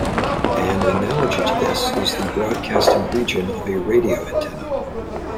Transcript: An analogy to this is the broadcasting region of a radio antenna.